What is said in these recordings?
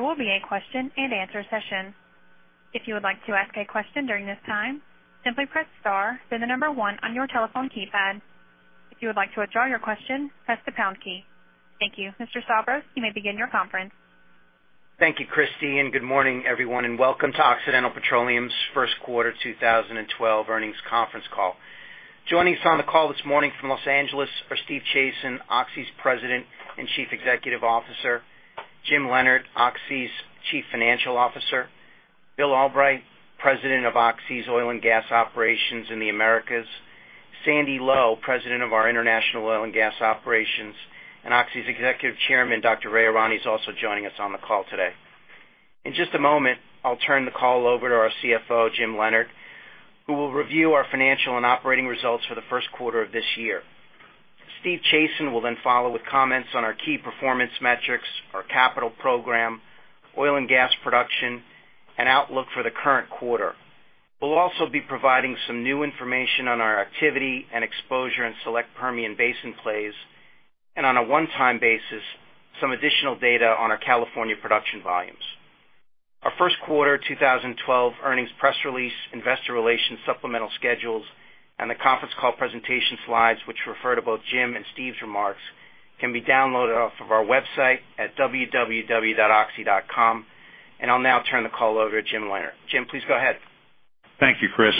There will be a question-and-answer session. If you would like to ask a question during this time, simply press star then the number one on your telephone keypad. If you would like to withdraw your question, press the pound key. Thank you. Mr. Stavros, you may begin your conference. Thank you, Christy, and good morning, everyone, and welcome to Occidental Petroleum's First Quarter 2012 Earnings Conference Call. Joining us on the call this morning from Los Angeles are Steve Chazen, Oxy's President and Chief Executive Officer, Jim Lienert, Oxy's Chief Financial Officer, Bill Albrecht, President of Oxy's Oil and Gas Operations in the Americas, Sandy Lowe, President of our International Oil and Gas Operations, and Oxy's Executive Chairman, Dr. Ray Irani, is also joining us on the call today. In just a moment, I'll turn the call over to our CFO, Jim Lienert, who will review our financial and operating results for the first quarter of this year. Steve Chazen will then follow with comments on our key performance metrics, our capital program, oil and gas production, and outlook for the current quarter. We will also be providing some new information on our activity and exposure in select Permian Basin plays, and on a one-time basis, some additional data on our California production volumes. Our first quarter 2012 earnings press release, Investor Relations, supplemental schedules, and the conference call presentation slides, which refer to both Jim and Steve's remarks, can be downloaded off of our website at www.oxy.com. I'll now turn the call over to Jim Lienert. Jim, please go ahead. Thank you, Chris.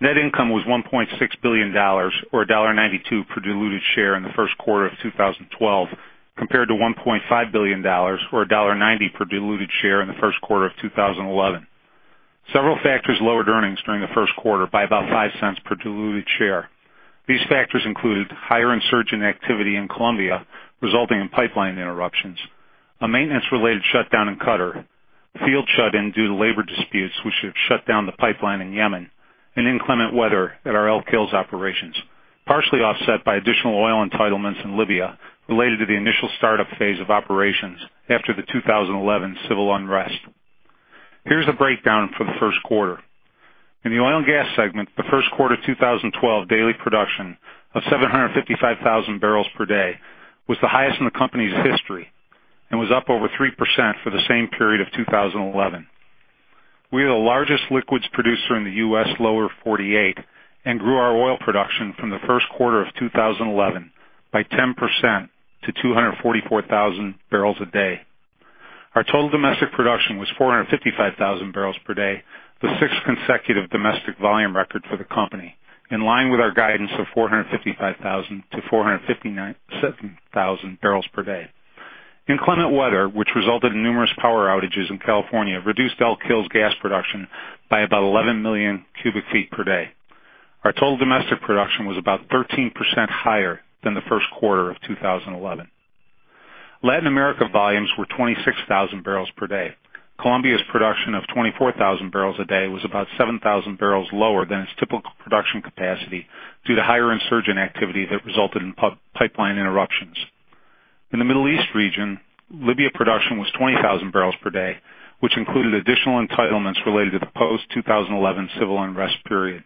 Net income was $1.6 billion, or $1.92 per diluted share in the first quarter of 2012, compared to $1.5 billion, or $1.90 per diluted share in the first quarter of 2011. Several factors lowered earnings during the first quarter by about $0.05 per diluted share. These factors included higher insurgent activity in Colombia, resulting in pipeline interruptions, a maintenance-related shutdown in Qatar, field shut-in due to labor disputes, which have shut down the pipeline in Yemen, and inclement weather at our Elk Hills operations, partially offset by additional oil entitlements in Libya related to the initial startup phase of operations after the 2011 civil unrest. Here's the breakdown for the first quarter. In the oil and gas segment, the first quarter of 2012, daily production of 755,000 barrels per day was the highest in the company's history and was up over 3% for the same period of 2011. We are the largest liquids producer in the U.S., lower 48, and grew our oil production from the first quarter of 2011 by 10% to 244,000 barrels a day. Our total domestic production was 455,000 barrels per day, the sixth consecutive domestic volume record for the company, in line with our guidance of 455,000-457,000 barrels per day. Inclement weather, which resulted in numerous power outages in California, reduced Elk Hills gas production by about 11 MMCF per day. Our total domestic production was about 13% higher than the first quarter of 2011. Latin America volumes were 26,000 barrels per day. Colombia's production of 24,000 barrels a day was about 7,000 barrels lower than its typical production capacity due to higher insurgent activity that resulted in pipeline interruptions. In the Middle East region, Libya production was 20,000 barrels per day, which included additional entitlements related to the post-2011 civil unrest period.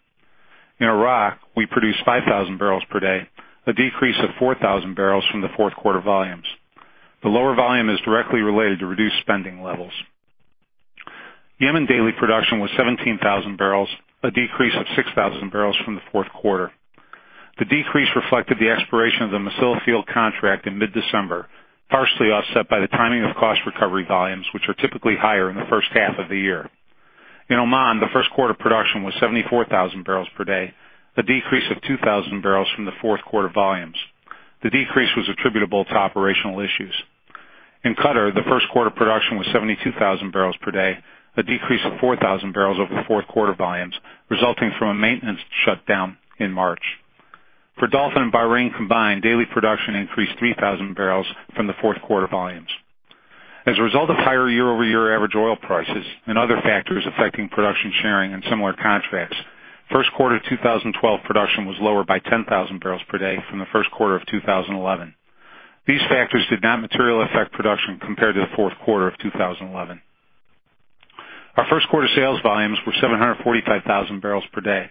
In Iraq, we produced 5,000 barrels per day, a decrease of 4,000 barrels from the fourth quarter volumes. The lower volume is directly related to reduced spending levels. Yemen daily production was 17,000 barrels, a decrease of 6,000 barrels from the fourth quarter. The decrease reflected the expiration of the missile field contract in mid-December, partially offset by the timing of cost recovery volumes, which are typically higher in the first half of the year. In Oman, the first quarter production was 74,000 barrels per day, a decrease of 2,000 barrels from the fourth quarter volumes. The decrease was attributable to operational issues. In Qatar, the first quarter production was 72,000 barrels per day, a decrease of 4,000 barrels over the fourth quarter volumes, resulting from a maintenance shutdown in March. For Dolphin and Bahrain combined, daily production increased 3,000 barrels from the fourth quarter volumes. As a result of higher year-over-year average oil prices and other factors affecting production sharing and similar contracts, first quarter of 2012 production was lowered by 10,000 barrels per day from the first quarter of 2011. These factors did not materially affect production compared to the fourth quarter of 2011. Our first quarter sales volumes were 745,000 barrels per day.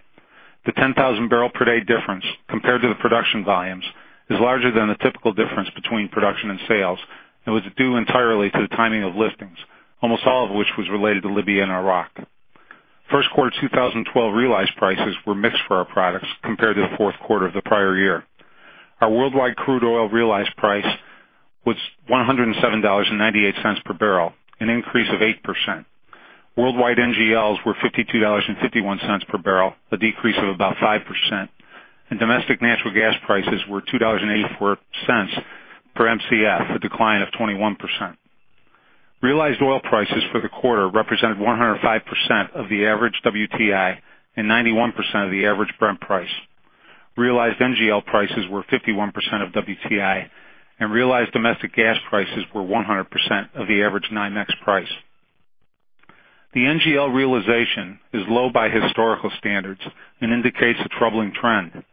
The 10,000 barrel per day difference compared to the production volumes is larger than the typical difference between production and sales, and was due entirely to the timing of liftings, almost all of which was related to Libya and Iraq. First quarter 2012 realized prices were mixed for our products compared to the fourth quarter of the prior year. Our worldwide crude oil realized price was $107.98 per barrel, an increase of 8%. Worldwide NGLs were $52.51 per barrel, a decrease of about 5%. Domestic natural gas prices were $2.84 per MCF, a decline of 21%. Realized oil prices for the quarter represented 105% of the average WTI and 91% of the average Brent price. Realized NGL prices were 51% of WTI, and realized domestic gas prices were 100% of the average 9x price. The NGL realization is low by historical standards and indicates a troubling trend.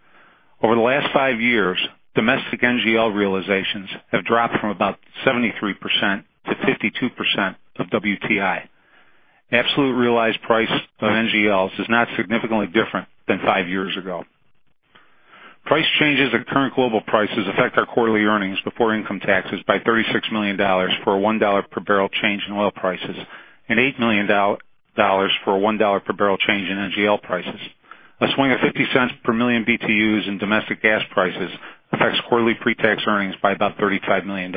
Over the last five years, domestic NGL realizations have dropped from about 73% to 52% of WTI. Absolute realized price of NGLs is not significantly different than five years ago. Price changes at current global prices affect our quarterly earnings before income taxes by $36 million for a $1 per barrel change in oil prices and $8 million for a $1 per barrel change in NGL prices. A swing of $0.50 per million BTUs in domestic gas prices affects quarterly pre-tax earnings by about $35 million.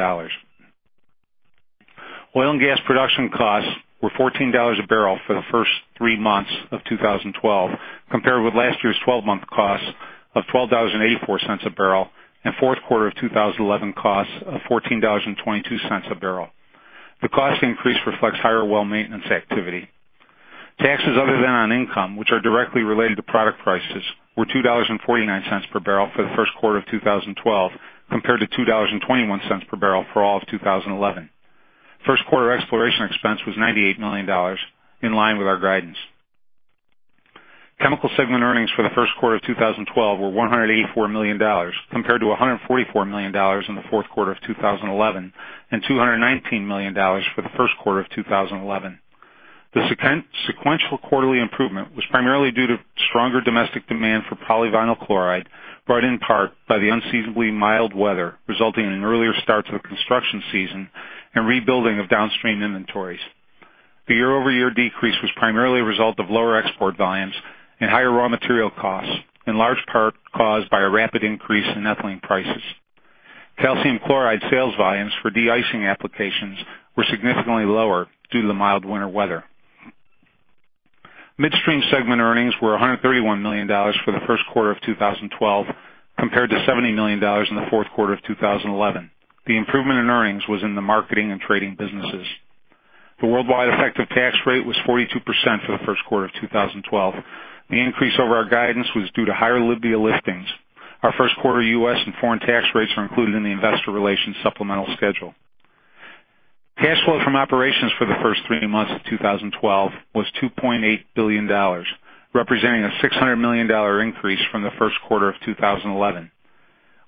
Oil and gas production costs were $14 a barrel for the first three months of 2012, compared with last year's 12-month costs of $12.84 a barrel and fourth quarter of 2011 costs of $14.22 a barrel. The cost increase reflects higher oil maintenance activity. Taxes other than on income, which are directly related to product prices, were $2.49 per barrel for the first quarter of 2012, compared to $2.21 per barrel for all of 2011. First quarter exploration expense was $98 million, in line with our guidance. Chemical segment earnings for the first quarter of 2012 were $184 million, compared to $144 million in the fourth quarter of 2011 and $219 million for the first quarter of 2011. The sequential quarterly improvement was primarily due to stronger domestic demand for polyvinyl chloride, brought in part by the unseasonably mild weather, resulting in an earlier start to the construction season and rebuilding of downstream inventories. The year-over-year decrease was primarily a result of lower export volumes and higher raw material costs, in large part caused by a rapid increase in ethylene prices. Calcium chloride sales volumes for deicing applications were significantly lower due to the mild winter weather. Midstream segment earnings were $131 million for the first quarter of 2012, compared to $70 million in the fourth quarter of 2011. The improvement in earnings was in the marketing and trading businesses. The worldwide effective tax rate was 42% for the first quarter of 2012. The increase over our guidance was due to higher Libya liftings. Our first quarter U.S. and foreign tax rates are included in the Investor Relations supplemental schedule. Cash flow from operations for the first three months of 2012 was $2.8 billion, representing a $600 million increase from the first quarter of 2011.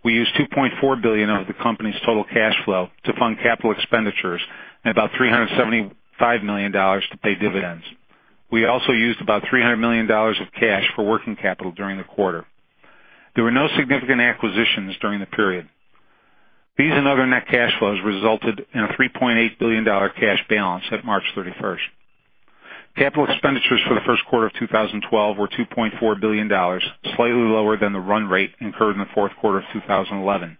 We used $2.4 billion of the company's total cash flow to fund capital expenditures and about $375 million to pay dividends. We also used about $300 million of cash for working capital during the quarter. There were no significant acquisitions during the period. These and other net cash flows resulted in a $3.8 billion cash balance at March 31st. Capital expenditures for the first quarter of 2012 were $2.4 billion, slightly lower than the run rate incurred in the fourth quarter of 2011.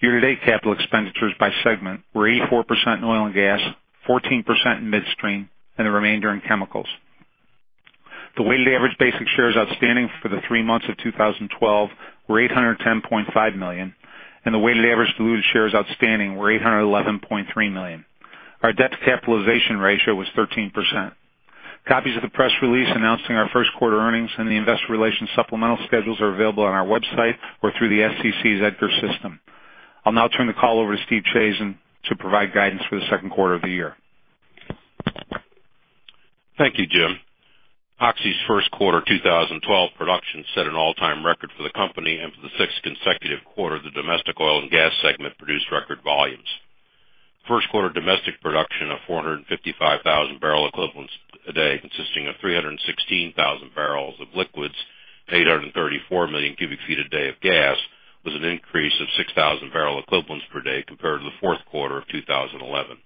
Year-to-date capital expenditures by segment were 84% in oil and gas, 14% in midstream, and the remainder in chemicals. The weighted average basic shares outstanding for the three months of 2012 were 810.5 million, and the weighted average diluted shares outstanding were 811.3 million. Our debt to capitalization ratio was 13%. Copies of the press release announcing our first quarter earnings and the Investor Relations supplemental schedules are available on our website or through the SEC's EDGAR system. I'll now turn the call over to Steve Chazen to provide guidance for the second quarter of the year. Thank you, Jim. Oxy's first quarter 2012 production set an all-time record for the company, and for the sixth consecutive quarter the domestic oil and gas segment produced record volumes. First quarter domestic production of 455,000 barrel equivalents a day, consisting of 316,000 barrels of liquids and 834 MMCF a day of gas, was an increase of 6,000 barrel equivalents per day compared to the fourth quarter of 2011.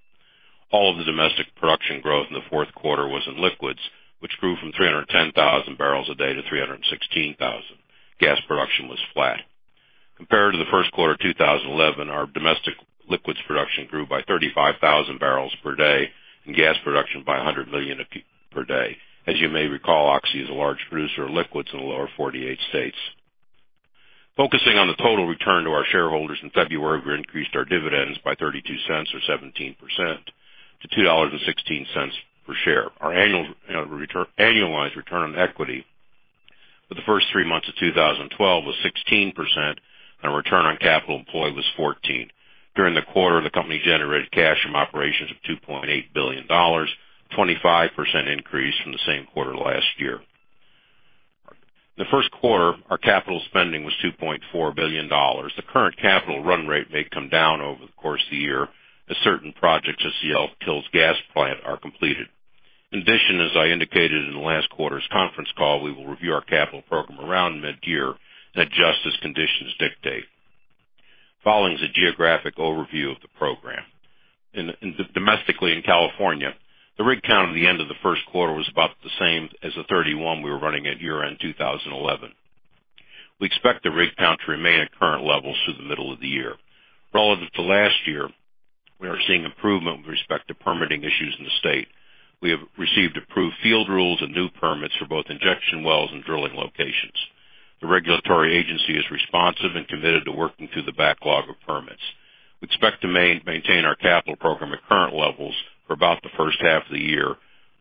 All of the domestic production growth in the fourth quarter was in liquids, which grew from 310,000 barrels a day to 316,000. Gas production was flat. Compared to the first quarter of 2011, our domestic liquids production grew by 35,000 barrels per day and gas production by 100 million per day. As you may recall, Oxy is a large producer of liquids in the lower 48 states. Focusing on the total return to our shareholders, in February, we increased our dividends by $0.32, or 17%, to $2.16 per share. Our annualized return on equity for the first three months of 2012 was 16%, and our return on capital employed was 14%. During the quarter, the company generated cash from operations of $2.8 billion, a 25% increase from the same quarter last year. In the first quarter, our capital spending was $2.4 billion. The current capital run rate may come down over the course of the year as certain projects at the Elk Hills gas plant are completed. In addition, as I indicated in the last quarter's conference call, we will review our capital program around mid-year and adjust as conditions dictate. Following is a geographic overview of the program. Domestically, in California, the rig count at the end of the first quarter was about the same as the 31 we were running at year-end 2011. We expect the rig count to remain at current levels through the middle of the year. Relative to last year, we are seeing improvement with respect to permitting issues in the state. We have received approved field rules and new permits for both injection wells and drilling locations. The regulatory agency is responsive and committed to working through the backlog of permits. We expect to maintain our capital program at current levels for about the first half of the year,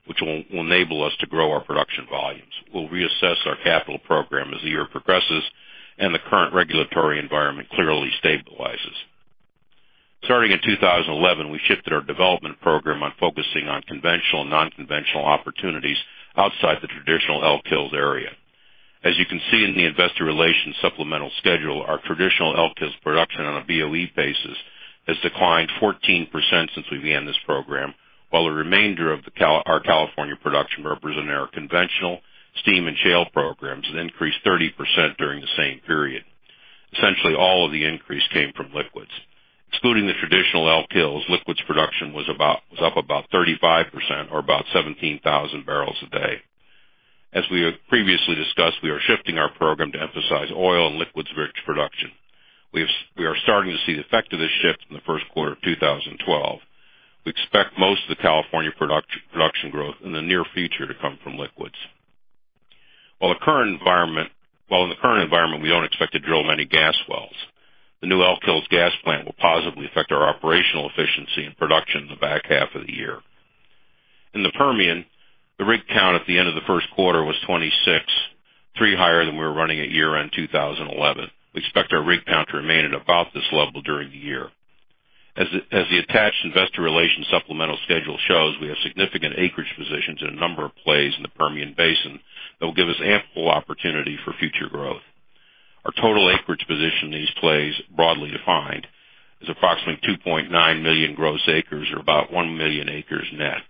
which will enable us to grow our production volumes. We'll reassess our capital program as the year progresses and the current regulatory environment clearly stabilizes. Starting in 2011, we shifted our development program on focusing on conventional and non-conventional opportunities outside the traditional Elk Hills area. As you can see in the Investor Relations supplemental schedule, our traditional Elk Hills production on a BOE basis has declined 14% since we began this program, while the remainder of our California production represented our conventional steam and shale programs that increased 30% during the same period. Essentially, all of the increase came from liquids. Excluding the traditional Elk Hills, liquids production was up about 35%, or about 17,000 barrels a day. As we have previously discussed, we are shifting our program to emphasize oil and liquids-rich production. We are starting to see the effect of this shift in the first quarter of 2012. We expect most of the California production growth in the near future to come from liquids. While in the current environment, we don't expect to drill many gas wells. The new Elk Hills gas plant will positively affect our operational efficiency and production in the back half of the year. In the Permian, the rig count at the end of the first quarter was 26, three higher than we were running at year-end 2011. We expect our rig count to remain at about this level during the year. As the attached Investor Relations supplemental schedule shows, we have significant acreage positions in a number of plays in the Permian Basin that will give us ample opportunity for future growth. Our total acreage position in these plays, broadly defined, is approximately 2.9 million gross acres, or about 1 million acres net.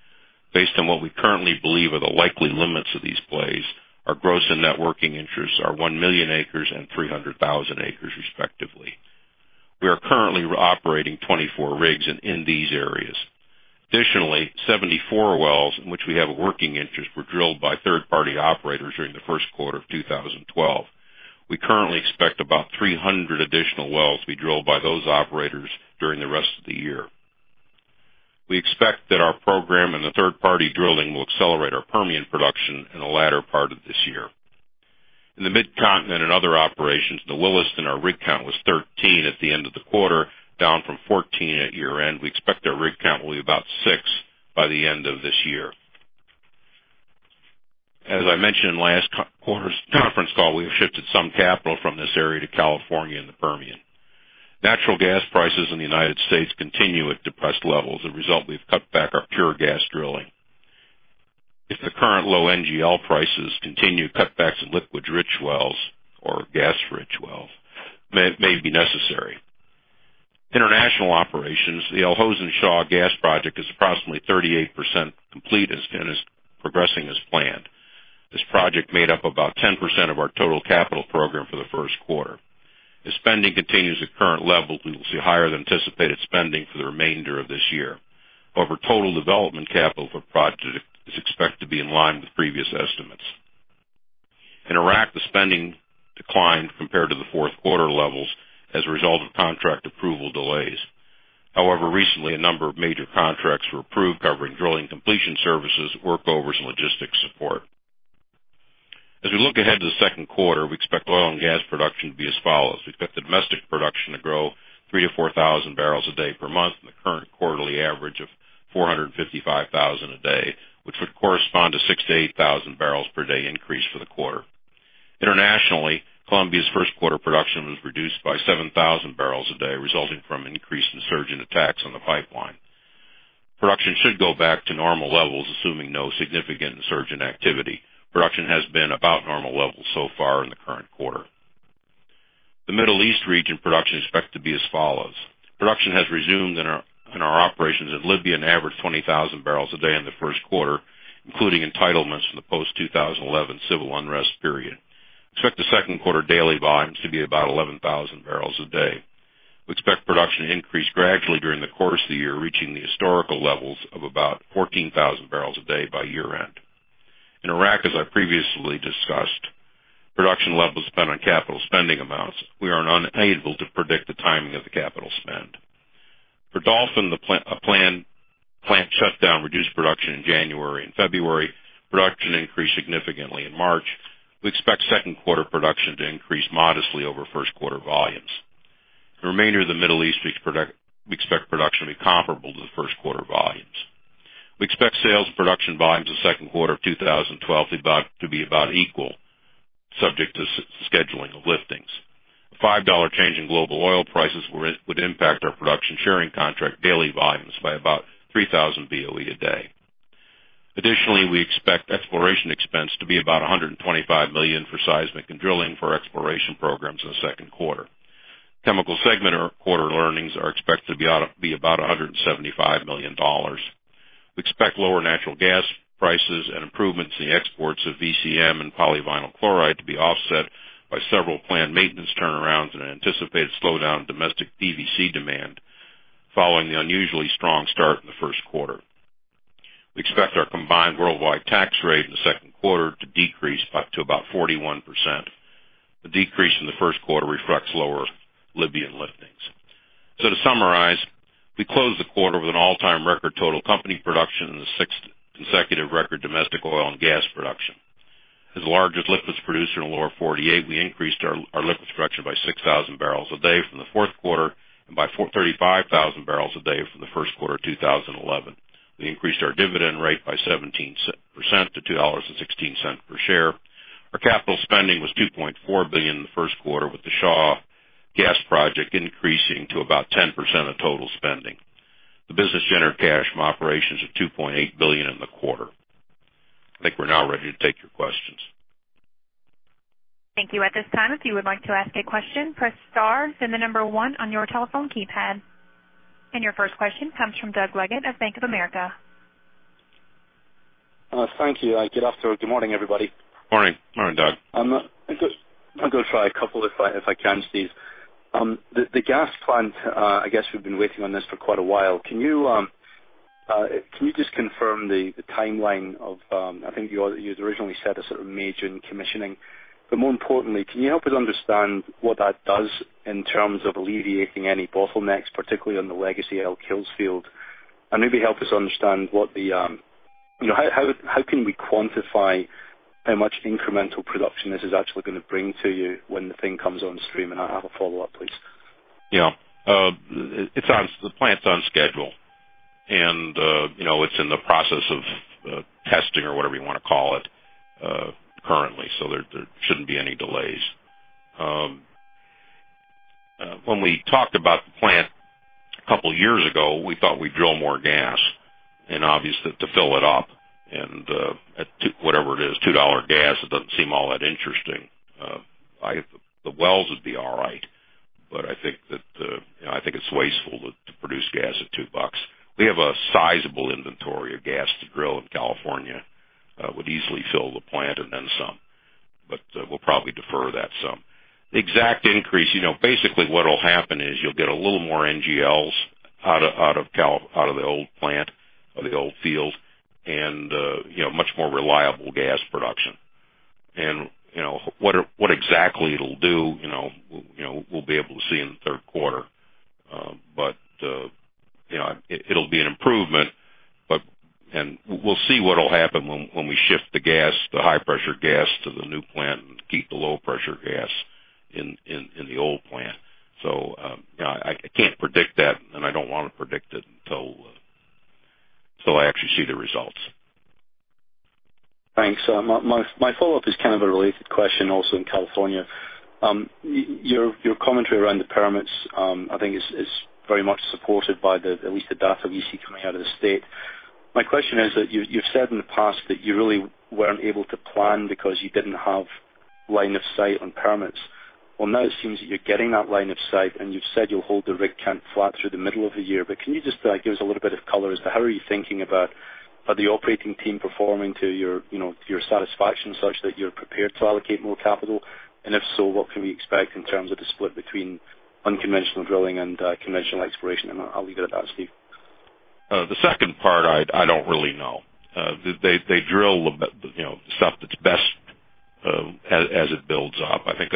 Based on what we currently believe are the likely limits of these plays, our gross and net working interests are 1 million acres and 300,000 acres, respectively. We are currently operating 24 rigs in these areas. Additionally, 74 wells in which we have a working interest were drilled by third-party operators during the first quarter of 2012. We currently expect about 300 additional wells to be drilled by those operators during the rest of the year. We expect that our program and the third-party drilling will accelerate our Permian production in the latter part of this year. In the Mid-Continent and other operations, the lowest in our rig count was 13 at the end of the quarter, down from 14 at year-end. We expect our rig count will be about six by the end of this year. As I mentioned in last quarter's conference call, we have shifted some capital from this area to California in the Permian. Natural gas prices in the United States continue at depressed levels. As a result, we've cut back our pure gas drilling. If the current low NGL prices continue, cutbacks in liquids-rich wells, or gas-rich wells, may be necessary. International operations, the Al Hosn Shah Gas Project is approximately 38% complete and is progressing as planned. This project made up about 10% of our total capital program for the first quarter. If spending continues at current levels, we will see higher than anticipated spending for the remainder of this year. However, total development capital for the project is expected to be in line with previous estimates. In Iraq, the spending declined compared to the fourth quarter levels as a result of contract approval delays. However, recently, a number of major contracts were approved covering drilling completion services, workovers, and logistics support. As we look ahead to the second quarter, we expect oil and gas production to be as follows. We expect the domestic production to grow 3,000-4,000 barrels a day per month, and the current quarterly average of 455,000 a day, which would correspond to 6,000-8,000 barrels per day increase for the quarter. Internationally, Colombia's first quarter production was reduced by 7,000 barrels a day, resulting from an increase in insurgent attacks on the pipeline. Production should go back to normal levels, assuming no significant insurgent activity. Production has been about normal levels so far in the current quarter. The Middle East region production is expected to be as follows. Production has resumed in our operations in Libya and averaged 20,000 barrels a day in the first quarter, including entitlements from the post-2011 civil unrest period. Expect the second quarter daily volumes to be about 11,000 barrels a day. We expect production to increase gradually during the course of the year, reaching the historical levels of about 14,000 barrels a day by year-end. In Iraq, as I previously discussed, production levels depend on capital spending amounts. We are unable to predict the timing of the capital spend. For Dolphin, a planned plant shutdown reduced production in January and February. Production increased significantly in March. We expect second quarter production to increase modestly over first quarter volumes. The remainder of the Middle East, we expect production to be comparable to the first quarter volumes. We expect sales and production volumes in the second quarter of 2012 to be about equal, subject to scheduling of liftings. A $5 change in global oil prices would impact our production sharing contract daily volumes by about 3,000 BOE a day. Additionally, we expect exploration expense to be about $125 million for seismic and drilling for exploration programs in the second quarter. Chemical segment quarter earnings are expected to be about $175 million. We expect lower natural gas prices and improvements in the exports of VCM and polyvinyl chloride to be offset by several planned maintenance turnarounds and an anticipated slowdown in domestic PVC demand following the unusually strong start in the first quarter. We expect our combined worldwide tax rate in the second quarter to decrease to about 41%. The decrease in the first quarter reflects lower Libyan liftings. To summarize, we close the quarter with an all-time record total company production and the sixth consecutive record domestic oil and gas production. As the largest liquids producer in the lower 48, we increased our liquids production by 6,000 barrels a day from the fourth quarter and by 35,000 barrels a day from the first quarter of 2011. We increased our dividend rate by 17% to $2.16 per share. Our capital spending was $2.4 billion in the first quarter, with the Shaw Gas Project increasing to about 10% of total spending. The business generated cash from operations was $2.8 billion in the quarter. I think we're now ready to take your questions. Thank you. At this time, if you would like to ask a question, press star then the number one on your telephone keypad. Your first question comes from Doug Leggate of Bank of America. Thank you. Good afternoon. Good morning, everybody. Morning, Doug. I'm going to try a couple if I can, Steve. The gas plant, I guess we've been waiting on this for quite a while. Can you just confirm the timeline of I think you had originally said a sort of major commissioning, but more importantly, can you help us understand what that does in terms of alleviating any bottlenecks, particularly on the legacy Elk Hills field? Maybe help us understand how can we quantify how much incremental production this is actually going to bring to you when the thing comes on stream? I'll have a follow-up, please. Yeah, it's on the plant's on schedule. You know, it's in the process of testing or whatever you want to call it, currently. There shouldn't be any delays. When we talked about the plant a couple of years ago, we thought we'd drill more gas, obviously to fill it up. At whatever it is, $2 gas, it doesn't seem all that interesting. The wells would be all right, but I think that, you know, I think it's wasteful to produce gas at $2. We have a sizable inventory of gas to drill in California, would easily fill the plant and then some, but we'll probably defer that some. The exact increase, you know, basically what'll happen is you'll get a little more NGLs out of the old plant or the old field and much more reliable gas production. What exactly it'll do, you know, we'll be able to see in the third quarter. It'll be an improvement, and we'll see what'll happen when we shift the gas, the high-pressure gas, to the new plant and keep the low-pressure gas in the old plant. I can't predict that, and I don't want to predict it until I actually see the results. Thanks. My follow-up is kind of a related question also in California. Your commentary around the permits, I think, is very much supported by at least the data we see coming out of the state. My question is that you've said in the past that you really weren't able to plan because you didn't have line of sight on permits. Now it seems that you're getting that line of sight, and you've said you'll hold the rig count flat through the middle of the year. Can you just give us a little bit of color as to how you are thinking about the operating team performing to your satisfaction such that you're prepared to allocate more capital? If so, what can we expect in terms of the split between unconventional drilling and conventional exploration? I'll leave it at that, Steve. The second part, I don't really know. They drill the stuff that's best as it builds up. I think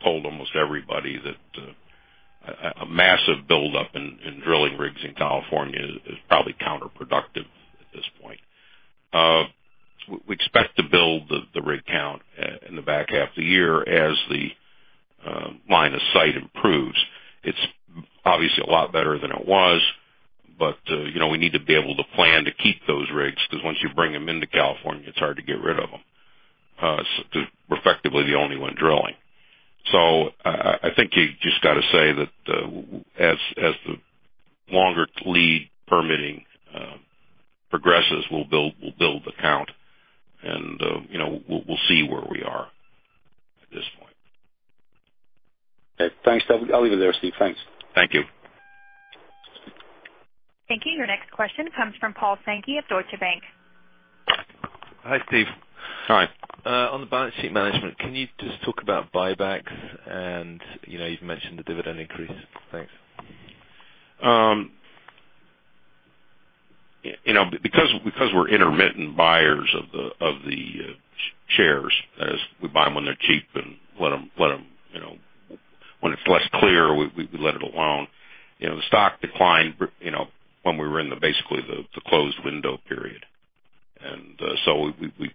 I've told almost everybody that a massive buildup in drilling rigs in California is probably counterproductive at this point. We expect to build the rig count in the back half of the year as the line of sight improves. It's obviously a lot better than it was, but, you know, we need to be able to plan to keep those rigs because once you bring them into California, it's hard to get rid of them. We're effectively the only one drilling. I think you just got to say that as the longer lead permitting progresses, we'll build the count, and, you know, we'll see where we are at this point. I'll leave it there, Steve. Thanks. Thank you. Thank you. Your next question comes from Paul Sankey of Deutsche Bank. Hi, Steve. Hi. On the balance sheet management, can you just talk about buybacks? You've mentioned the dividend increase. Thanks. Because we're intermittent buyers of the shares, that is, we buy them when they're cheap and, you know, when it's less clear, we let it alone. The stock declined when we were in basically the closed window period, and so we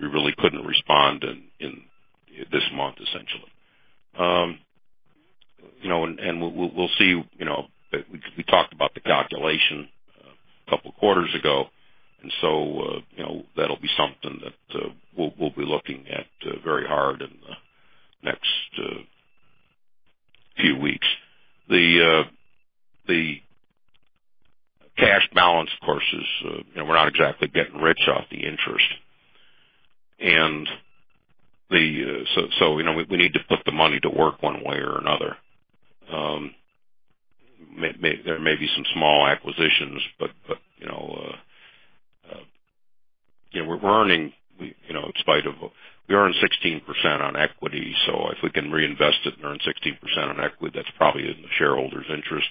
really couldn't respond in this month, essentially. We'll see, you know, we talked about the calculation a couple of quarters ago, and so that'll be something that we'll be looking at very hard in the next few weeks. The cash balance, of course, is, you know, we're not exactly getting rich off the interest, and so we need to put the money to work one way or another. There may be some small acquisitions, but we're earning, you know, in spite of, we earn 16% on equity. If we can reinvest it and earn 16% on equity, that's probably in the shareholders' interest.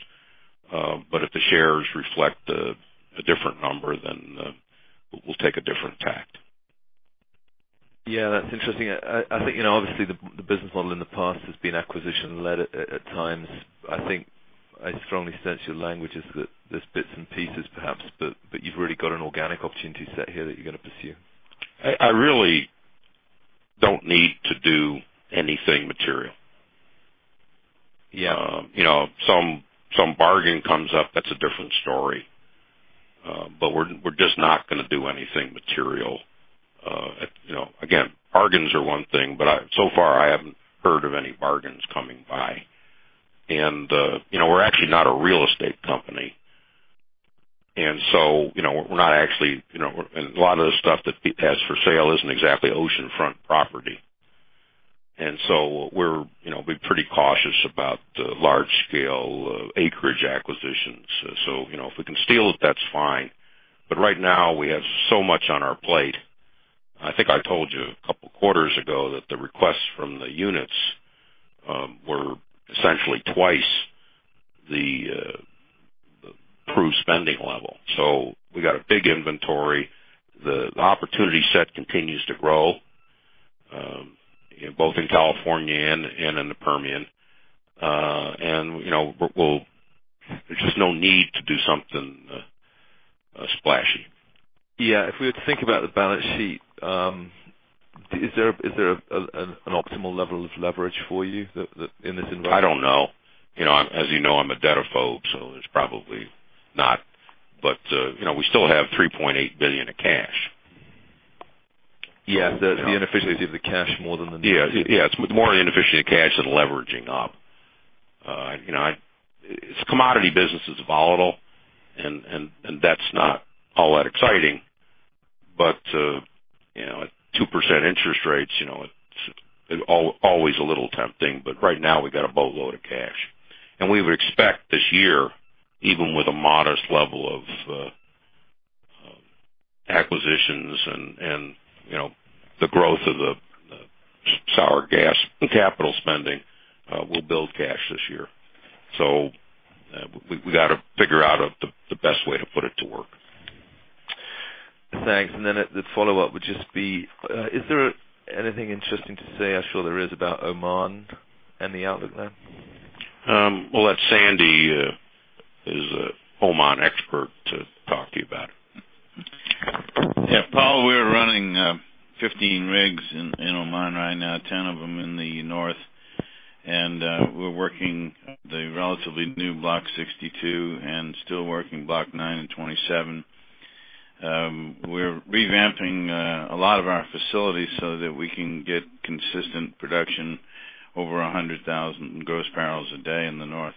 If the shares reflect a different number, then we'll take a different tact. Yeah, that's interesting. I think, obviously, the business model in the past has been acquisition-led at times. I strongly sense your language is that there's bits and pieces, perhaps, but you've really got an organic opportunity set here that you're going to pursue. I really don't need to do anything material. Yeah. You know, some bargain comes up, that's a different story. We're just not going to do anything material. Bargains are one thing, but so far, I haven't heard of any bargains coming by. We're actually not a real estate company. We're not actually, you know, a lot of the stuff that has for sale isn't exactly oceanfront property. We're pretty cautious about the large-scale acreage acquisitions. If we can steal it, that's fine. Right now, we have so much on our plate. I think I told you a couple of quarters ago that the requests from the units were essentially 2x the true spending level. We got a big inventory. The opportunity set continues to grow, you know, both in California and in the Permian. There's just no need to do something splashy. If we were to think about the balance sheet, is there an optimal level of leverage for you in this investment? I don't know. As you know, I'm a debt-ophobe, so there's probably not, but we still have $3.8 billion of cash. Yeah, the inefficiency of the cash more than the. Yeah. It's more the inefficiency of the cash, the leveraging up. You know, it's a commodity business. It's volatile. That's not all that exciting. You know, at 2% interest rates, it's always a little tempting. Right now, we've got a boatload of cash. We would expect this year, even with a modest level of acquisitions and the growth of the sour gas capital spending, we'll build cash this year. We got to figure out the best way to put it to work. Thanks. The follow-up would just be, is there anything interesting to say? I'm sure there is about Oman and the outlook there. Sandy is an Oman expert to talk to you about it. Yeah. Paul, we're running 15 rigs in Oman right now, 10 of them in the north. We're working the relatively new block 62 and still working block nine and 27. We're revamping a lot of our facilities so that we can get consistent production over 100,000 gross barrels a day in the north.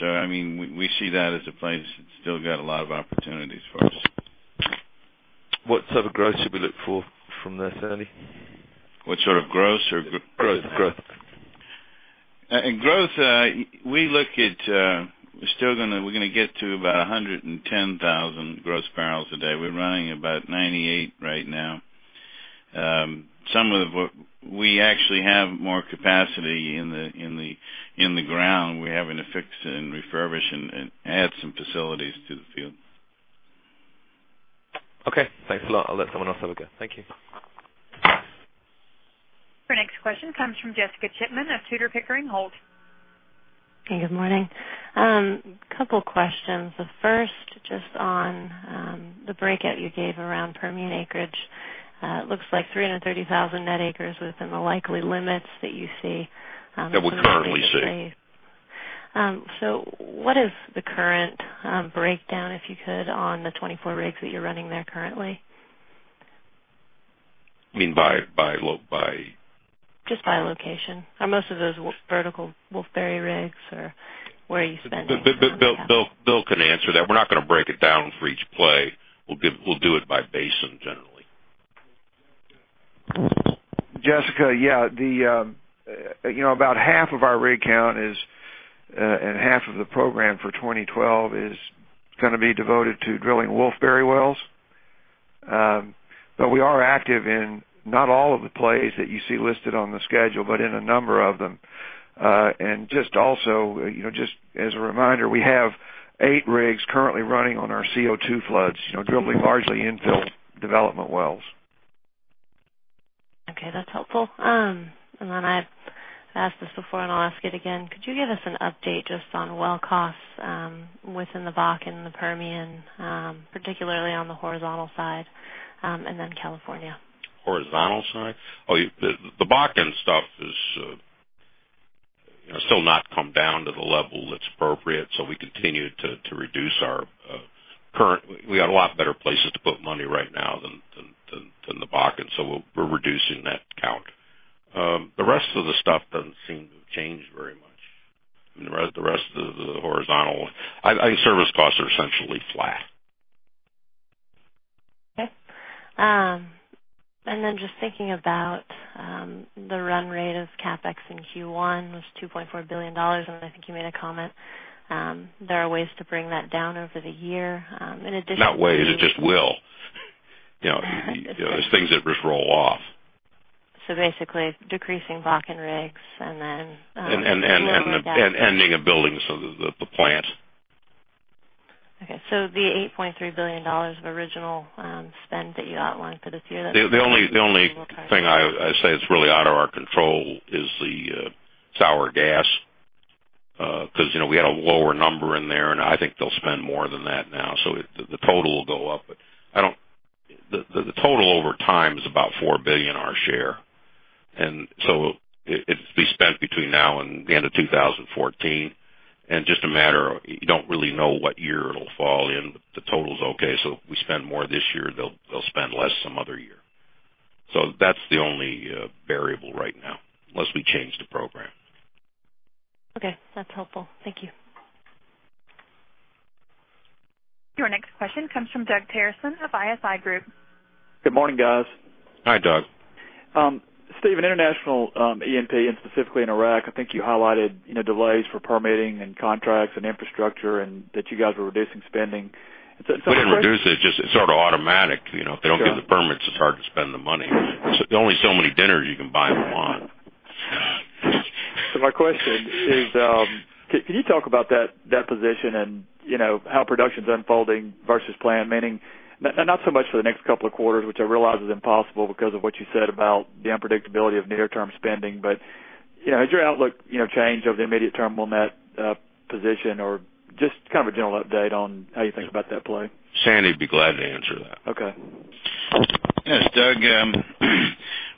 We see that as a place that's still got a lot of opportunities for us. What sort of growth should we look for from there, Sandy? What sort of growth? Growth. In growth, we look at we're still going to get to about 110,000 gross barrels a day. We're running about 98 right now. We actually have more capacity in the ground. We're having to fix and refurbish and add some facilities to the field. Okay, thanks a lot. I'll let someone else have a go. Thank you. Our next question comes from Jessica Chipman of Tudor Pickering Holt. Okay. Good morning. A couple of questions. The first just on the break-out you gave around Permian acreage. It looks like 330,000 net acres within the likely limits that you see. That we currently see. What is the current breakdown, if you could, on the 24 rigs that you're running there currently? You mean by? Just by location, are most of those vertical Wolfberry rigs, or where are you spending? Bill can answer that. We're not going to break it down for each play. We'll do it by basin generally. Jessica, yeah. You know, about half of our rig count is and half of the program for 2012 is going to be devoted to drilling Wolfberry wells. We are active in not all of the plays that you see listed on the schedule, but in a number of them. Just also, you know, just as a reminder, we have eight rigs currently running on our CO2 floods, you know, drilling largely infill development wells. Okay. That's helpful. I've asked this before, and I'll ask it again. Could you give us an update just on well costs within the Bakken and the Permian, particularly on the horizontal side, and then California? Horizontal side? Oh, the Bakken stuff is still not come down to the level that's appropriate. We continue to reduce our current, we got a lot better places to put money right now than the Bakken. We're reducing that count. The rest of the stuff doesn't seem to change very much. I mean, the rest of the horizontal, I think service costs are essentially flat. Okay. Just thinking about the run rate of CapEx in Q1 was $2.4 billion, and I think you made a comment. There are ways to bring that down over the year. In addition. It just will. You know, there's things that just roll off. Basically, decreasing Bakken rigs and then. Ending of buildings of the plant. Okay. The $8.3 billion of original spend that you outlined for this year. The only thing I say that's really out of our control is the sour gas because you know we had a lower number in there, and I think they'll spend more than that now. The total will go up. I don't think the total over time is about $4 billion our share, and it's to be spent between now and the end of 2014. It's just a matter of you don't really know what year it'll fall in, but the total is okay. If we spend more this year, they'll spend less some other year. That's the only variable right now, unless we change the program. Okay, that's helpful. Thank you. Your next question comes from Doug Terreson of ISI Group. Good morning, guys. Hi, Doug. Steve, an international E&P, and specifically in Iraq, I think you highlighted delays for permitting and contracts and infrastructure, and that you guys were reducing spending. It's something that. There's just sort of automatic. You know, if they don't give the permits, it's hard to spend the money. There's only so many dinners you can buy in Oman. Can you talk about that position and how production is unfolding versus planned? I realize it is impossible to predict for the next couple of quarters because of what you said about the unpredictability of near-term spending. Has your outlook changed over the immediate term on that position, or just a general update on how you think about that play? Sandy would be glad to answer that. Okay. Yes, Doug.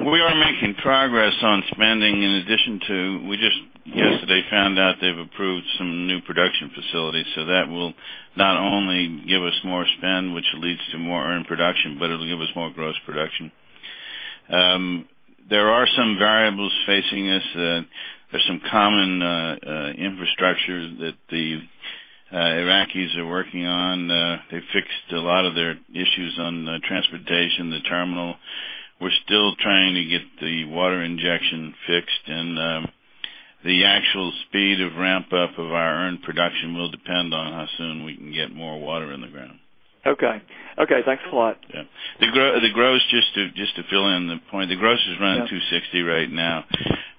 We are making progress on spending. In addition to that, we just yesterday found out they've approved some new production facilities. That will not only give us more spend, which leads to more in production, but it'll give us more gross production. There are some variables facing us. There is some common infrastructure that the Iraqis are working on. They fixed a lot of their issues on the transportation, the terminal. We're still trying to get the water injection fixed. The actual speed of ramp-up of our own production will depend on how soon we can get more water in the ground. Okay, thanks a lot. Yeah. The gross, just to fill in the point, the gross is around 260 right now.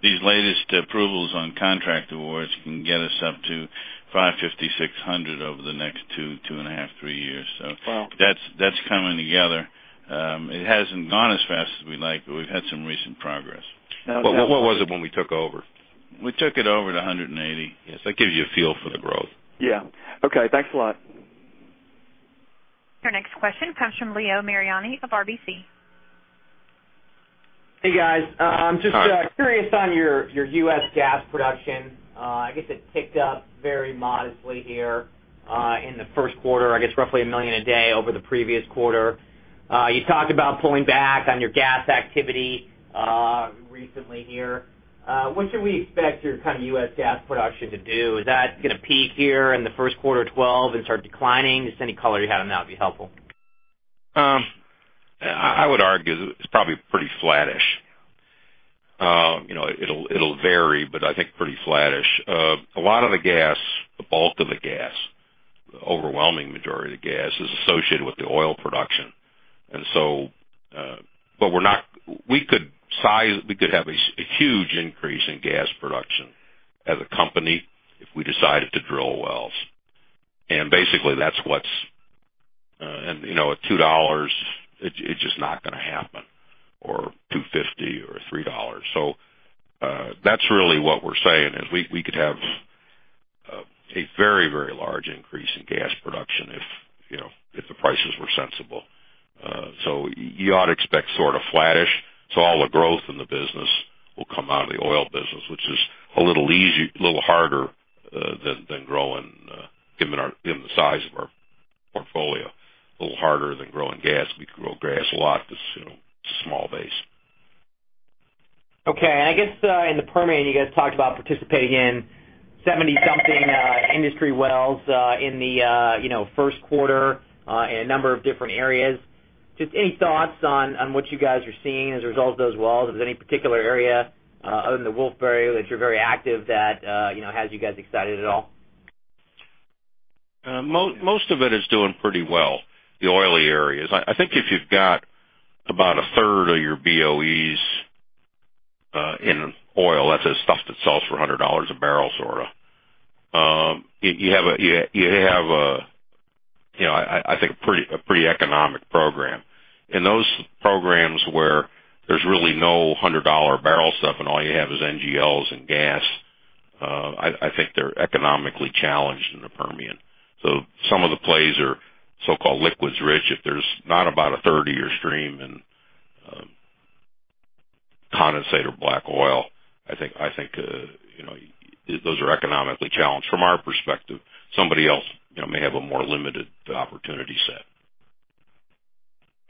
These latest approvals on contract awards can get us up to 550, 600 over the next two, two and a half, three years. That’s coming together. It hasn't gone as fast as we'd like, but we've had some recent progress. What was it when we took over? We took it over to 180. That gives you a feel for the growth. Yeah, okay. Thanks a lot. Your next question comes from Leo Mariani of RBC. Hey, guys. I'm just curious on your U.S. gas production. I guess it ticked up very modestly here in the first quarter, I guess roughly 1 million a day over the previous quarter. You've talked about pulling back on your gas activity recently here. What should we expect your kind of U.S. gas production to do? Is that going to peak here in the first quarter of 2012 and start declining? Just any color you had on that would be helpful. I would argue it's probably pretty flattish. You know, it'll vary, but I think pretty flattish. A lot of the gas, the bulk of the gas, the overwhelming majority of the gas is associated with the oil production. We're not, we could size, we could have a huge increase in gas production as a company if we decided to drill wells. Basically, that's what's, you know, at $2, it's just not going to happen, or $2.50 or $3. That's really what we're saying is we could have a very, very large increase in gas production if, you know, if the prices were sensible. You ought to expect sort of flattish. All the growth in the business will come out of the oil business, which is a little easier, a little harder than growing, given the size of our portfolio, a little harder than growing gas. We grow gas a lot. It's a small base. Okay. I guess in the Permian, you guys talked about participating in 70-something industry wells in the first quarter in a number of different areas. Just any thoughts on what you guys are seeing as a result of those wells? Is there any particular area other than the Wolfberry that you're very active that has you guys excited at all? Most of it is doing pretty well, the oily areas. I think if you've got about 1/3 of your BOEs in oil, that's the stuff that sells for $100 a barrel, sort of. I think you have a pretty economic program. Those programs where there's really no $100 a barrel stuff and all you have is NGLs and gas, I think they're economically challenged in the Permian. Some of the plays are so-called liquids-rich. If there's not about a 30-year stream in condensate or black oil, I think those are economically challenged from our perspective. Somebody else may have a more limited opportunity set.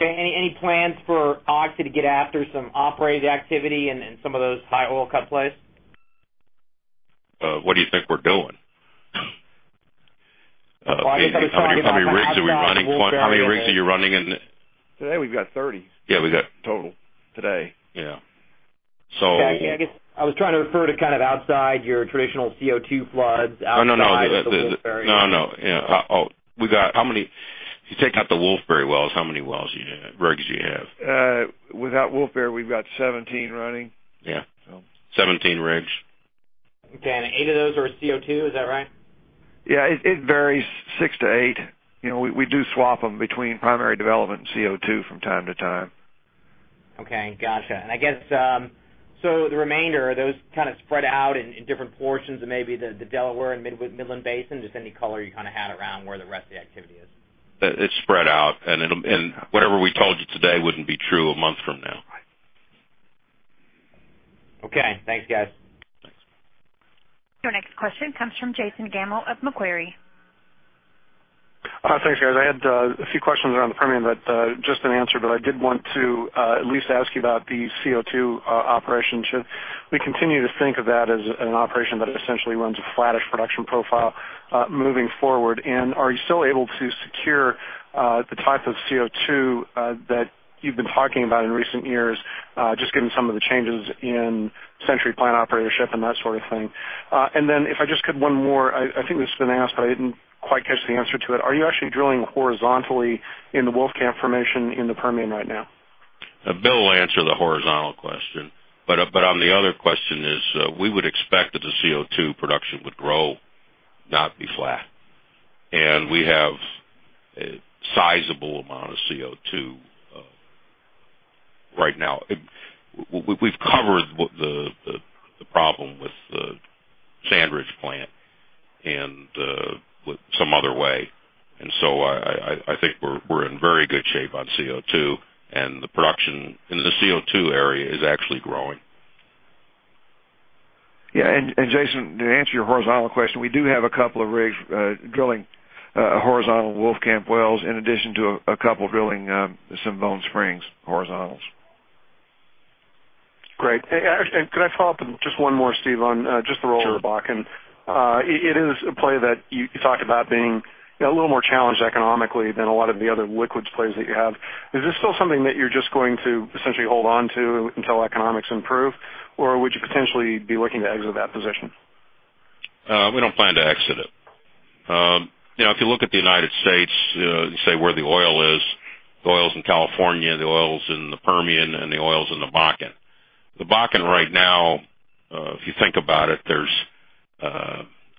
Okay. Any plans for Oxy to get after some operating activity in some of those high oil cut plays? What do you think we're doing? How many rigs are we running? How many rigs are you running in? Today, we've got 30. Yeah, we've got total. Today. Yeah. So. Yeah, I guess I was trying to refer to kind of outside your traditional CO2 floods, outside those very. Yeah. We got, how many, you take out the Wolfberry wells, how many wells do you have? Rigs do you have? Without Wolfberry, we've got 17 running. Yeah, 17 rigs. Okay, eight of those are CO2, is that right? Yeah, it varies six to eight. You know, we do swap them between primary development and CO2 from time to time. Gotcha. I guess, are those kind of spread out in different portions of maybe the Delaware and Midland Basin? Just any color you kind of had around where the rest of the activity is. It's spread out, and whatever we told you today wouldn't be true a month from now. Okay, thanks, guys. Thanks. Your next question comes from Jason Gammel of Macquarie. Thanks, guys. I had a few questions around the Permian that just been answered, but I did want to at least ask you about the CO2 operation. Should we continue to think of that as an operation that essentially runs a flattish production profile moving forward? Are you still able to secure the type of CO2 that you've been talking about in recent years, just given some of the changes in Century plant operatorship and that sort of thing? If I just could, one more, I think this has been asked, but I didn't quite get the answer to it. Are you actually drilling horizontally in the Wolfcamp formation in the Permian right now? Bill will answer the horizontal question. On the other question, we would expect that the CO2 production would grow, not be flat. We have a sizable amount of CO2 right now. We've covered the problem with the sand-rich plant and with some other way. I think we're in very good shape on CO2, and the production in the CO2 area is actually growing. Jason, to answer your horizontal question, we do have a couple of rigs drilling horizontal Wolfcamp wells in addition to a couple drilling some Bone Spring horizontals. Great. Can I follow up in just one more, Steve, on just the role of the Bakken? It is a play that you talked about being a little more challenged economically than a lot of the other liquids plays that you have. Is this still something that you're just going to essentially hold on to until economics improve, or would you potentially be looking to exit that position? We don't plan to exit it. If you look at the United States, you say where the oil is, the oil's in California, the oil's in the Permian, and the oil's in the Bakken. The Bakken right now, if you think about it, there's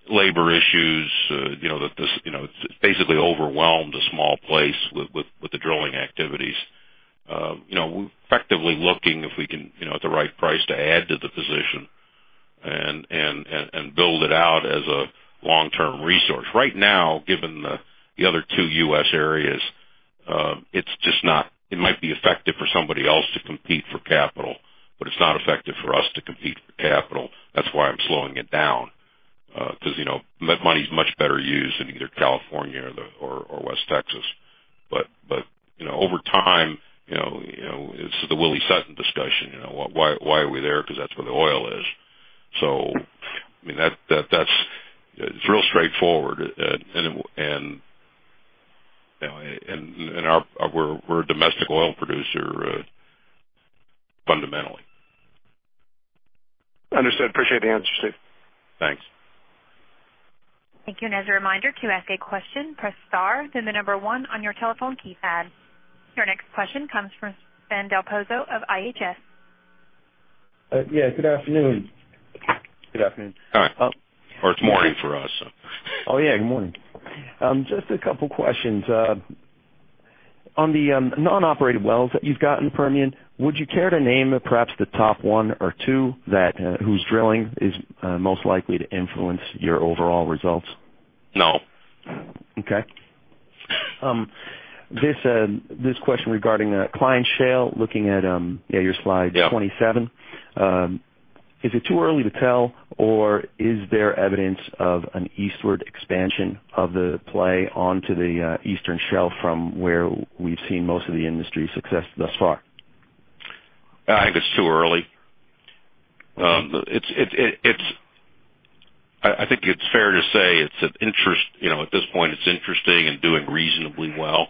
labor issues. It's basically overwhelmed a small place with the drilling activities. We're effectively looking if we can, at the right price, to add to the position and build it out as a long-term resource. Right now, given the other two U.S. areas, it might be effective for somebody else to compete for capital, but it's not effective for us to compete for capital. That's why I'm slowing it down because money is much better used in either California or West Texas. Over time, it's the Willie Sutton discussion. Why are we there? Because that's where the oil is. That's real straightforward. We're a domestic oil producer fundamentally. Understood. Appreciate the answer, Steve. Thanks. Thank you. As a reminder, to ask a question, press star then the number one on your telephone keypad. Your next question comes from Sven Del Pozzo of IHS. Good afternoon. Hi. It's morning for us. Oh, yeah. Good morning. Just a couple of questions. On the non-operated wells that you've got in the Permian, would you care to name perhaps the top one or two that whose drilling is most likely to influence your overall results? No. Okay. This question regarding the client shale, looking at your slide 27, is it too early to tell, or is there evidence of an eastward expansion of the play onto the eastern shelf from where we've seen most of the industry's success thus far? I think it's too early. I think it's fair to say it's an interest at this point, it's interesting and doing reasonably well.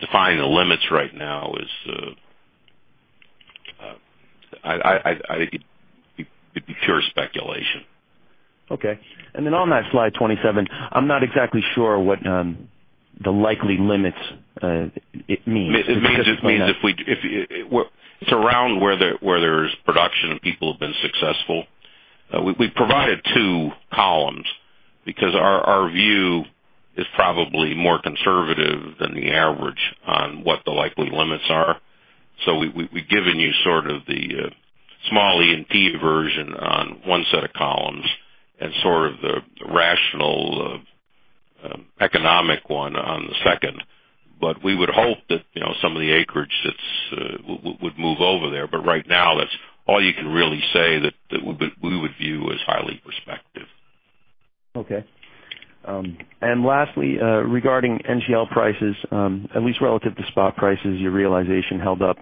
Defining the limits right now is, I think it'd be pure speculation. Okay. On that slide 27, I'm not exactly sure what the likely limits it means. It means if it's around where there's production and people have been successful, we provided two columns because our view is probably more conservative than the average on what the likely limits are. We've given you sort of the small E&P version on one set of columns and sort of the rational economic one on the second. We would hope that, you know, some of the acreage would move over there. Right now, that's all you can really say that we would view as highly prospective. Okay. Lastly, regarding NGL prices, at least relative to spot prices, your realization held up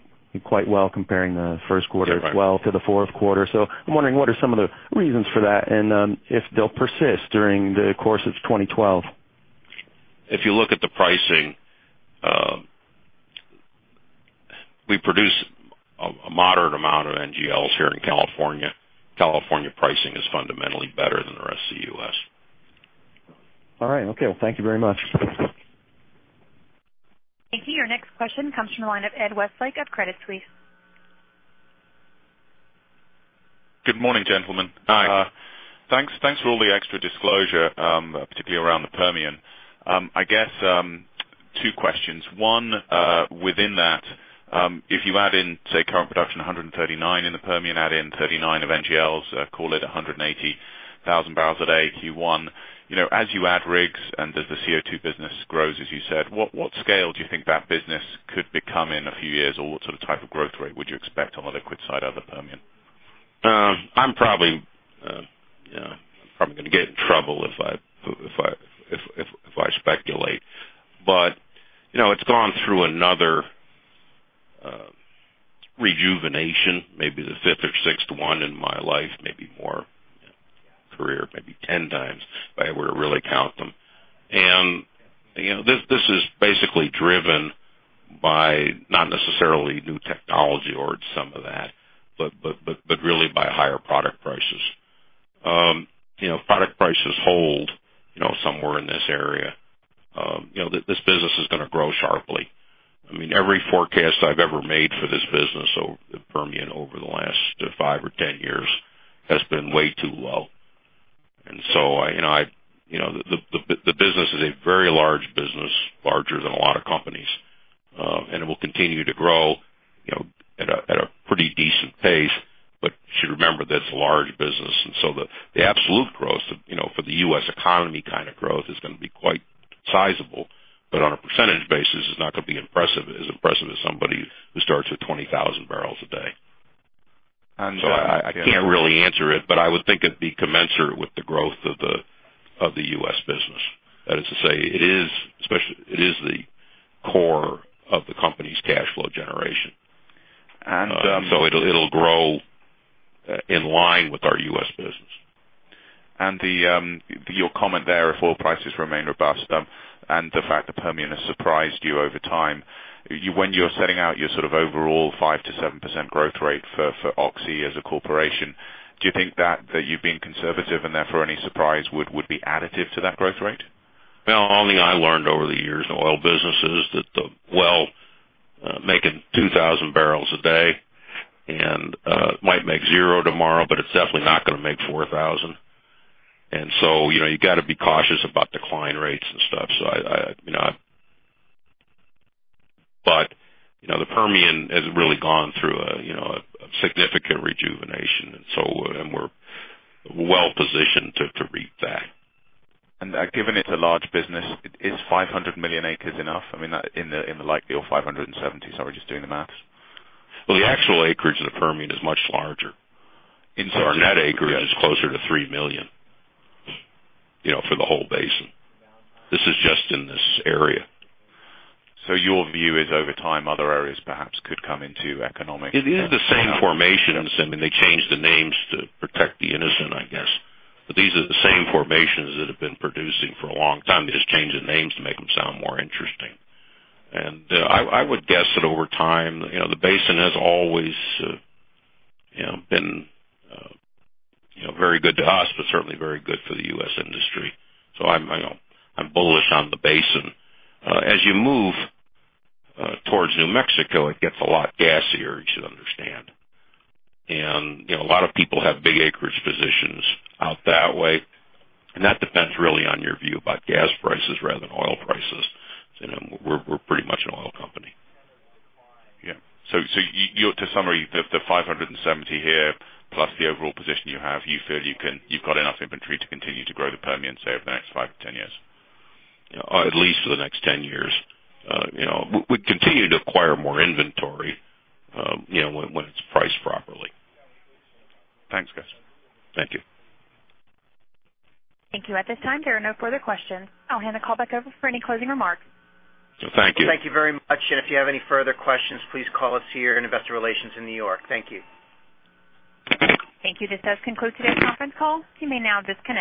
quite well comparing the first quarter as well to the fourth quarter. I'm wondering what are some of the reasons for that and if they'll persist during the course of 2012? If you look at the pricing, we produce a moderate amount of NGLs here in California. California pricing is fundamentally better than the rest of the U.S. All right. Okay. Thank you very much. Thank you. Your next question comes from the line of Ed Westlake of Credit Suisse. Good morning, gentlemen. Hi. Thanks for all the extra disclosure, particularly around the Permian. I guess two questions. One, within that, if you add in, say, current production 139,000 in the Permian, add in 39,000 of NGLs, call it 180,000 barrels a day Q1. As you add rigs and as the CO2 business grows, as you said, what scale do you think that business could become in a few years, or what sort of type of growth rate would you expect on the liquid side out of the Permian? I'm probably, yeah, probably going to get in trouble if I speculate. It's gone through another rejuvenation, maybe the fifth or sixth one in my life, maybe more career, maybe 10x if I were to really count them. This is basically driven by not necessarily new technology or some of that, but really by higher product prices. If product prices hold, you know, somewhere in this area, this business is going to grow sharply. I mean, every forecast I've ever made for this business, so the Permian over the last five or 10 years has been way too low. The business is a very large business, larger than a lot of companies. It will continue to grow at a pretty decent pace. You should remember that it's a large business. The absolute growth for the U.S. economy kind of growth is going to be quite sizable. On a percentage basis, it's not going to be as impressive as somebody who starts with 20,000 barrels a day. I can't really answer it, but I would think it'd be commensurate with the growth of the U.S. business. That is to say, it is especially, it is the core of the company's cash flow generation. It will grow in line with our U.S. business. If oil prices remain robust and the fact that Permian has surprised you over time, when you're setting out your sort of overall 5%-7% growth rate for Oxy as a corporation, do you think that you've been conservative and therefore any surprise would be additive to that growth rate? The only thing I learned over the years in the oil business is that the well making 2,000 barrels a day might make zero tomorrow, but it's definitely not going to make 4,000. You got to be cautious about decline rates and stuff. The Permian has really gone through a significant rejuvenation, and we're well- positioned to reap that. Given it's a large business, is 500 million acres enough? I mean, in the likely of 570 million, sorry, just doing the maths. The actual acreage of the Permian is much larger, so our net acreage is closer to 3 million, you know, for the whole basin. This is just in this area. Your view is over time, other areas perhaps could come into economic concern. It is the same formations. I mean, they changed the names to protect the innocent, I guess. These are the same formations that have been producing for a long time. They just changed the names to make them sound more interesting. I would guess that over time, the basin has always been very good to us, certainly very good for the U.S. industry. I'm bullish on the basin. As you move towards New Mexico, it gets a lot gassier, you should understand. A lot of people have big acreage positions out that way. That depends really on your view about gas prices rather than oil prices. You know, we're pretty much an oil company. Yeah. To summarize, the 570 million here plus the overall position you have, you feel you've got enough inventory to continue to grow the Permian, say, over the next five to 10 years? Yeah, at least for the next 10 years. We continue to acquire more inventory when it's priced properly. Thanks, guys. Thank you. Thank you. At this time, there are no further questions. I'll hand the call back over for any closing remarks. Thank you. Thank you very much. If you have any further questions, please call us here in Investor Relations in New York. Thank you. Thank you. This does conclude today's conference call. You may now disconnect.